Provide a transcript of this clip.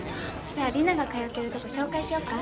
じゃあリナが通ってるとこ紹介しようか？